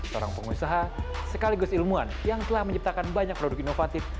seorang pengusaha sekaligus ilmuwan yang telah menciptakan banyak produk inovatif